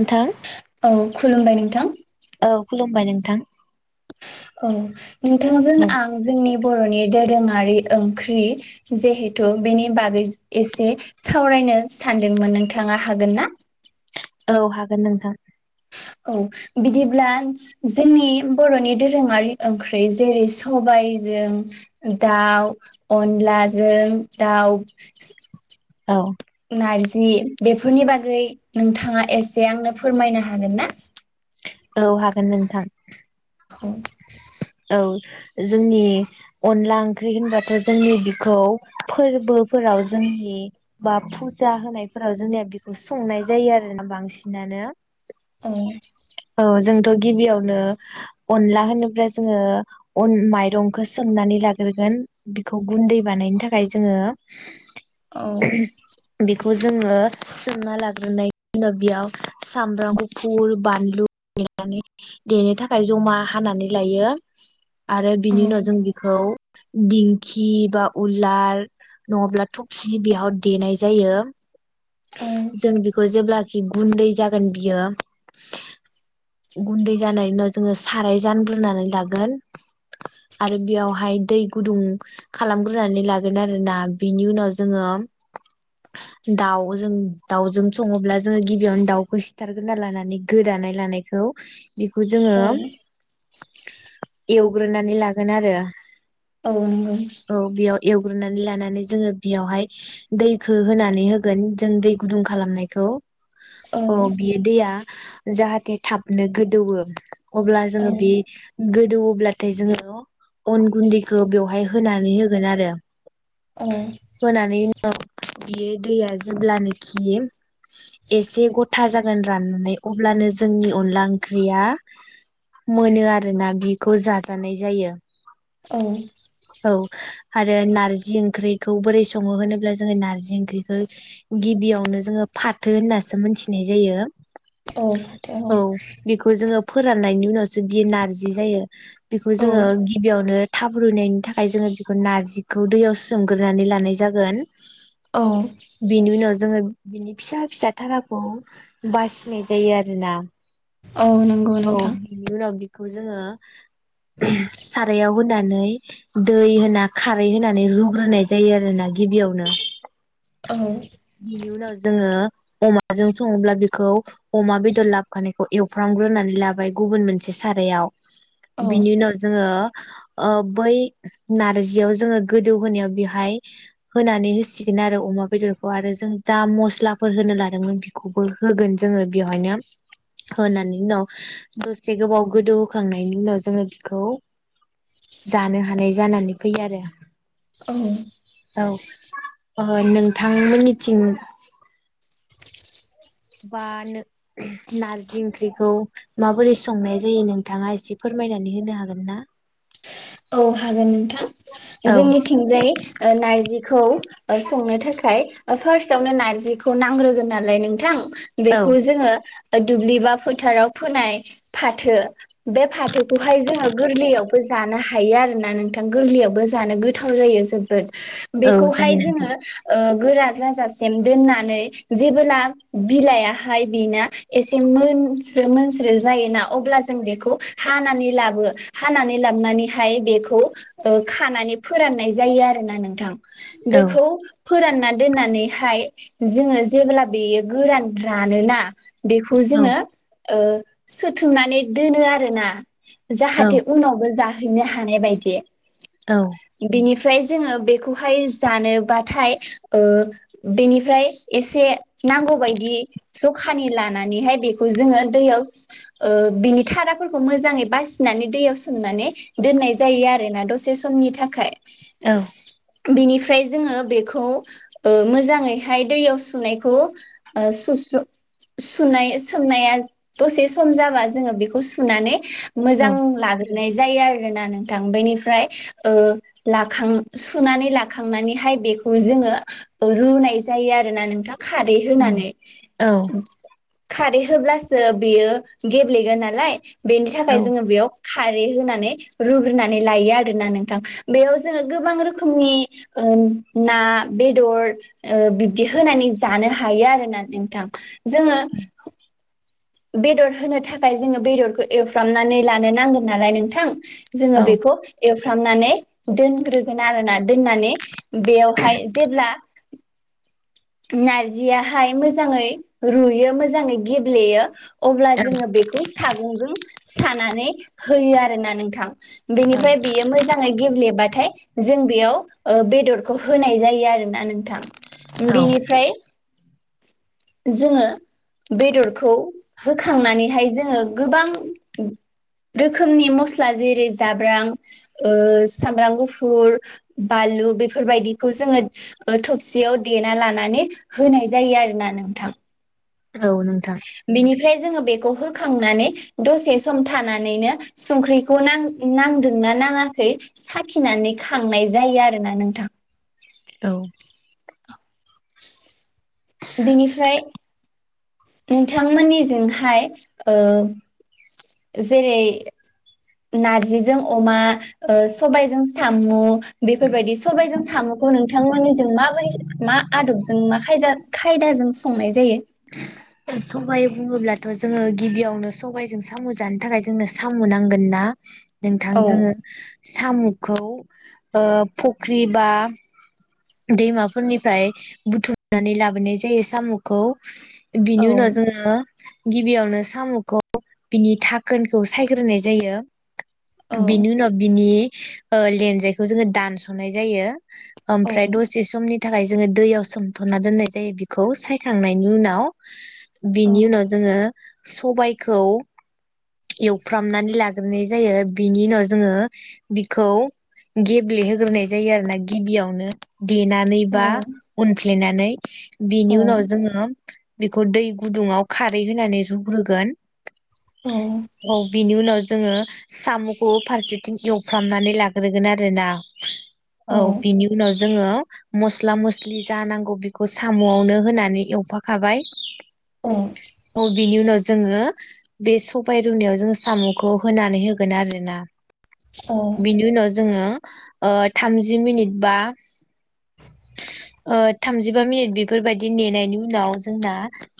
नोंथां औ खुलुमबाय नोंथां औ खुलुमबाय नोंथां औ नोंथांजों औ आं जोंनि बर'नि दोरोङारि ओंख्रि जिहेथु बेनि बागै एसे सावरायनो सानदोंमोन नोंथाङा हागोन ना? औ हागोन नोंथां। औ बिदिब्ला जोंनि बर'नि दोरोङारि ओंख्रि जेरै सबायजों दाउ अनलाजों दाउ औ नारजि बेफोरनि बागै नोंथाङा एसे आंनो फोरमायनो हागोन ना? औ हागोन नोंथां। [inaudible] औ औ जोंनि अनला ओंख्रि होनबाथ' जोंनि बिखौ फोरबोफोराव जोंनि बा फुजा होनायफोराव जोंनिया बेखौ संनाय जायो आरोना बांसिनानो औ औ जोंथ' गिबियावनो अनला होनोब्ला जोङो अन माइरंखौ सोमनानै लाग्रोगोन बिखौ गुनदै बानायनो थाखाय जोङो औ खौ जोङो सोमना लाग्रोनाय उनाव बेयाव सामब्राम गुफुर बानलु देनानै देनो थाखाय जमा हानानै। ए लायो। आरो औ बिनि उनाव जों बिखौ दिंखि बा उलार नङाब्ला थफसि बेयाव देनाय जायो जों बेखौ जेब्ला गुन्दै जागोन बियो गुन्दै जानायनि उनाव जोङो साराय जान नानै लागोन आरो बेयावहाय दै गुदुं खालामग्रोनानै लागोन आरो बिनि उनाव जोङो दाउ जों दाउजों सङोब्ला जोङो गिबियावनो दाउखौ सिथारग्रोना लानानै गोदाना लानायखौ जोङो औ एवग्रोनानै लागोन आरो औ नंगौ औ बेयाव एवग्रोनानै लानानै जोङो बेयावहाय दैखौ होनानै होगोन जों दै गुदुं खालामनायखौ औ अ बियो दैया जाहाथे थाबनो गोदौओ अब्ला जोङो औ बे गोदौओब्लाथाय जोङो अन गुन्दैखौ बेवहाय होनानै होगोन आरो औ औ बेयो दैया जेब्लानोखि एसे गथा जागोन राननानै अब्लानो जोंनि अनला ओंख्रिया मोनो आरो बिखौ जाजानाय जायो औ औ आरो नारजि ओंख्रिखौ बोरै सङो होनोब्ला जोङो नार्जि ओंख्रिखौ गिबियावनो जोङो फाथो होननासो मोनथिनाय जायो। औ फाथो औ बेखौ जोङो फोराननायनि उनाव जोंदि नारजि जि जायो बेखौ औ जोङो गिबियावनो थाब रुयनायनि थाखाय जोङो बेखौ नारजिखौ दैयाव सोमग्रोनानै लानाय जागोन औ बेनि उनाव जोङो बिनि फिसा फिसा थाराखौ बासिनाय जायो आरोना औ नंगौ नोंथां खौ जोङो सारायाव होनानै दै होना खारै होनानै रुग्रोनाय जायो आरो ना गिबियावनो औ बिनि उनाव जोङो अमाजों सङोब्ला बेखौ अमा बेदर लाबोखानायखौ एवफ्रामग्रोनानै लाबाय गुबुन मोनसे सार रायाव बिनि औ उनाव जोङो बै नारजियाव जोङो गोदौ होनायाव बेवहाय होनानै होसिगोन आरो अमा बेदरखौ आरो जों जा मस्लाफोर होनो लादोंमोन बेखौबो होगोन जोङो बेवहायनो होनानै उनाव दसे गोबाव गोदौ होखांनायनि उनाव जोङो बेखौ जानो हानाय जानानै फैयो आरो औ नोंथां मोननिथिं [inaudible] बा नारजि ओंख्रिखौ माबोरै संनाय जायो नोंथाङा एसे फोरमायनानै होनो हागोन ना औ हागोन नोंथां औ जोंनिथिंजाय नारजिखौ संनो थाखाय फार्स्टावनो नारजिखौ नांग्रोगोन नालाय नोंथां औ बेखौ जोङो दुब्लि बा फोथाराव फोनाय फाथो बे फाथोखौहाय जोङो गोरलैयाव जानो हायो आरोना नोंथां गोरलैयावबो जानो गोथाव जायो जोबोद औ बेखौहाय जायो नों जोङो गोरा जाजासिम दोननानै जेबोला बिलाइयाहाय बेना एसे मोनस्रो मोनस्रो जायोना अब्ला जों बेखौ हानानै लाबो हानानै लाबोनानैहाय बेखौ खानानै फोराननाय जायो आरोना नोंथां बेखौ औ फोरानना दोननानैहाय जोङो जेब्ला बेयो गोरान रानोना बेखौ जोङो सोथुमनानै दोनो आरो ना औ जाहाथे उनावबो जाहैनो हानाय बायदि औ बेनिफ ओमफ्राय जोङो बेखौहाय जानोबाथाय ओ बेनिफ्राय एसे नांगौ बायदि ज'खानि लानानैहाय बेखौ जोङो दैयाव ओ बिनि थाराफोरखौ मोजाङै बासिनानै दैयाव सोमनानै दोननाय जायो आरोना दसे समनि थाखाय औ बिनिफ्राय जोङो बेखौ ओ मोजाङैहाय दैयाव सुनायखौ ओ सुस्र' सुनाय सोमनाया दसे सम जाबा जोङो बेखौ सुनानै औ मोजां लाग्रो नाय जायो आरोना नोंथां बेनिफ्राय ओ लाखां सुनानै लाखांनानैहाय बेखौ जोङो रुनाय जायो आरोना नोंथां खारै होनानै खारै होब्लासो बियो गेब्लेगोन नालाय बेनि औ थाखाय जोङो बेयाव खारै होनानै रुग्रोनानै लायो आरोना नोंथां बेयाव जोङो गोबां रोखोमनि ओ ना बेदर ओ बिब्दि होनानै जानो हायो आरोना नोंथां जोङो बेदर होनो थाखाय जोङो बेदरखौ एवफ्रामनानै लानो नांगोन नालाय नोंथां जोङो बेखौ एव फ्रामनानै दोनग्रोगोन आरोना दोननानै बेयावहाय जेब्ला नारजियाहाय मोजाङै रुयो मोजाङै गेब्लेयो अब्ला जोङो बेखौ सागंजों सानानै होयो आरोना नोंथां औ बेनिफ्राय बेयो मोजाङै गेब्लेबाथाय जों बेयाव ओ बेदरखौ होनाय जायो आरो ना नोंथां औ बेनिफ्राय जोङो बेदरखौ होखांनानैहाय जोङो गोबां रोखोमनि मस्ला जेरै जाब्रां ओ सामब्राम गुफुर बानलु बेफोरबायदिखौ जोङो थबसियाव देना लानानै होनाय जायो आरोना नोंथा औ नोंथां ओमफ्राय जोङो बेखौ होखांनानै दसे सम थानानैनो संख्रिखौ नां- नांदोंना नाङाखै साखिनानै खांनाय जायो आरोना नोंथां औ बिनिफ्राय नोंथांमोननिजोंहाय ओ जेरै नारजिजों अमा ओ सबायजों सामु बेफोरबायदि सबायजों सामुखौ नोंथांमोननिजों माबोरै मा आदबजों मा खायदा खायदाजों संनाय जायो? सबाय बुङोब्लाथ' जोङो गिबियावनो सबायाइजों साम' जानो थाखाय जोंनो साम' नांगोन ना नोंथां औ जोङो साम'खौ ओ फुख्रि बा दैमाफोरनिफ्राय बुथुमनानै लाबोनाय जायो साम'खौ औ बिनि उनाव जोङो गिबियावनो साम'खौ बिनि थाखोनखौ सायग्रोनाय जायो औ बिनि उनाव बिनि ओ लेनजायखौ जोङो दानस'नाय जायो औ ओमफ्राय दसे समनि थाखाय जोङो दैयाव सोमथ'ना दोननाय जायो बेखौ सायखांनायनि उनाव [inaudible] औ बिनि उनाव जोङो सबायखौ एवफ्रामनानै लाग्रोनाय जायो बिनि उनाव जोङो बिखौ गेब्ले होग्रोनाय जायो आरोना गिबियावनो देनानै औ बा उन देनानै औ बिनि उनाव जोङो बेखौ दै गुदुङाव खारै होनानै रुग्रोगोन औ बिनि उनाव जोङो साम'खौ फारसेथिं एवफ्रामनानै लाग्रोगोन आरोना औ औ बिनि उनाव जोङो मस्ला मस्लि जा नांगौ बेखौ साम'आवनो होनानै एवफाखाबाय औ औ बिनि उनाव जोङो बे स बाय रुनायाव जों साम'खौ होनानै होगोन आरोना औ बिनि उनाव जोङो ओ थामजि मिनिट बा ओ थामजिबा मिनिट बेफोरबायदि नेनायनि उनाव जोंना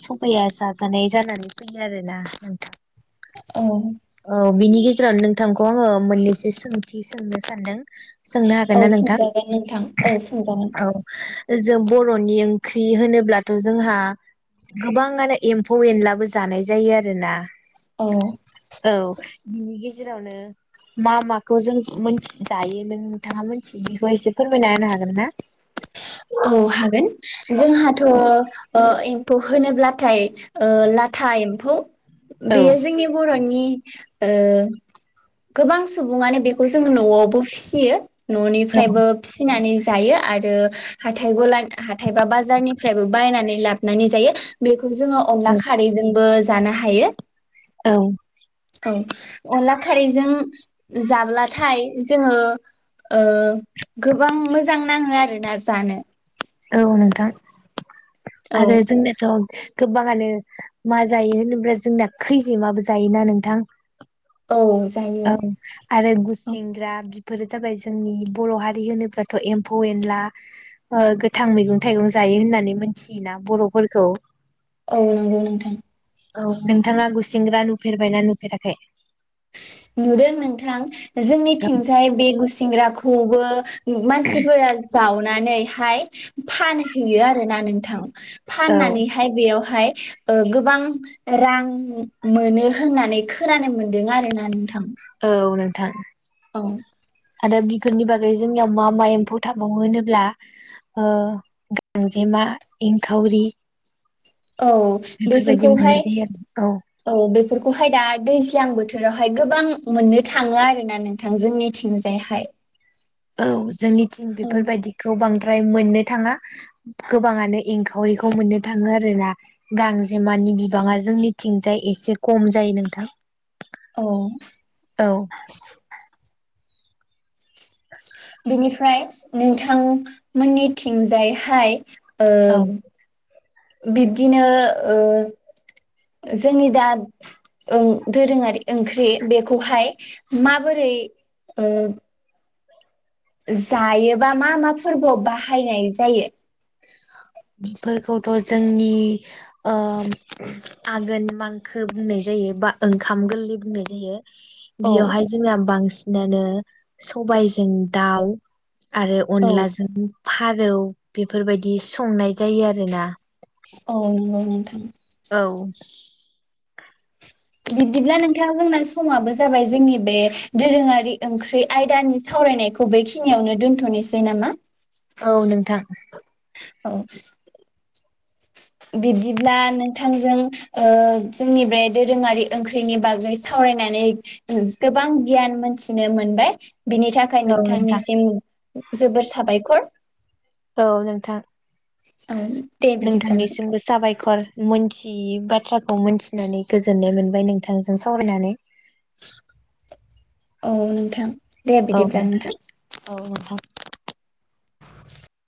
सबाया जाजानाय जानानै फैयो आरो ना नोंथां औ औ बिनि गेजेराव नोंथांखौ आङो मोननैसो सोंथि सोंनो सानदों सोंनो हागोन औ ना नोंथां सोंजागोन नोंथां औ सोंजागोन ओ जों बर'नि ओंख्रि होनोब्लाथ' जोंहा गोबाङानो एम्फौ एनलाबो जानाय जायो आरोना औ औ बिनि गेजेर रावनो मा मा खौ जों मिनथि जायो नों नोंथाङा मोनथियो बेखौ एसे फोरमायना होनो हागोन ना औ हागोन जोंहाथ' ओ एम्फौ होनोब्ला थाय ओ लाथा एम्फौ औ बेयो जोंनि बर'नि ओ गोबां सुबुङानो बेखौ जों न'आवबो फिसियो न'निफ्रायबो फिसिनानै जायो आ ओ हाथाइ गला हाथाइ बा बाजारनिफ्रायबो बायनानै लाबनानै जायो बे खौ जोङो औ अनला खारैजोंबो जानो हायो। ओं। औ अनला खारैजों जाब्लाथाय जोङो ओ गोबां मोजां नाङो आरो। ना जानो। औ नोंथां औ आरो जोंनोथ' गोबाङानो मा जायो होनोब्ला जोंनाया खैजेमाबो जायोना नोंथां। औ जायो औ आरो औ गुसिंग्रा बि फोर जाबाय जोंनि बर' हारि होनोब्लाथ' एम्फौ एनला ओ गोथां मैगं थाइगं जायो होननानै मोनथियोना बर'फोरखौ। औ नोंगौ नोंथां। औ नोंथाङा गुसिंग्रा नुफेरबायना नुफेराखै? नुदों नोंथां। जोंनिथिंजाय बे गुस एंग्रा खौबो मानसिफोरा जावनानै हाय फानहैयो आरोना नोंथां। औ फाननानैहाय बेयाव फाय ओ गोबां रां मोनो होननानै खोनानो मोन दों आरो ना नो औ नों थां औ आरो बिफोरनि बागै जोंनियाव मा मा एम्फौ थाबावो होनोब्ला ओ गांजेमा एंखावरि। औ बेफोरबायदि मोननाय बेफोरखौहाय जायो आरो औ बे फोरफोरखौहाय दा दैज्लां बोथोरावहाय गोबां मोननो थाङो आरोना नोंथां जोंनिथिंजायहाय। औ जोंनि थिं औ बेफोर बायदिखौ बांद्रा फाय मोननो थाङा गोबाङानो एंखावरिखौ मोननो थाङो आरो ना गांजेमानि बिबाङा जोंनिथिंजाय एसे खम जायो नोंथां। औ। औ नोंथांमोननि थिंजायहाय ओ औ बिब्दिनो ओ जोंनि दा ओ दोरोङारि ओंख्रि बेखौहाय माबोरै ओ जायोबा मा मा फोरबोआव बाहायनाय जायो? बिफोरखौथ' जोंनि ओ आघोन मांखो बुंनाय जायो बा ओंखाम गोरलै बुंनाय जायो। औ बियावहाय जोंना बांसि नानो सबायजों दाउ आरो औ अनलाजों फारौ बे बेफोरबायदि संनाय जायो आरोना औ नंगौ नोंथां औ बिब्दिब्ला नोंथाङा जोंना समाबो जाबाय जोंनि बे दोरोङारि ओंख्रि आयदानि सावरायनायखौ बेखिनियावनो दोन्थ'नोसै नामा औ नोंथां औ बिब्दिब्ला नोंथांजों ओ जोंनि बे दोरोङारि ओंख्रिनि बागै सावरायनानै ओ गोबां गियान मोनथिनो मोनबाय बिनि थाखाय औ नोंथां नोंथांनिसिम जोबोर साबायखर औ नोंथां औ दे बिदिब्ला नोंथां नोंथांनिसिमबो साबायखर मोनथियै बाथ्राखौ मोनथिनानै गोजोननाय मोनबाय नोंथांजों सावरायनानै औ नोंथां दे बिदिब्ला नोंथां अ [inaudible]